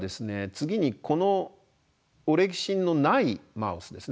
次にこのオレキシンのないマウスですね。